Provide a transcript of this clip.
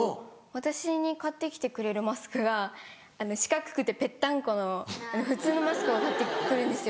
私に買って来てくれるマスクは四角くてぺったんこの普通のマスクを買って来るんですよ。